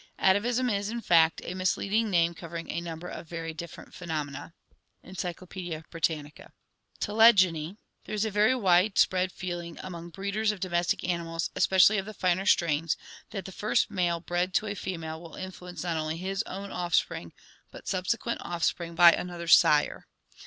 Atavism is, in fact, a misleading name covering a number of very different phenomena" (Encyclo pedia Britannica). Telegony (Gr. Tq\4yovo<i, born far away). — There is a very wide spread feeling among breeders of domestic animals, especially of the finer strains, that the first male bred to a female will influence not only his own offspring but subsequent offspring by another sire.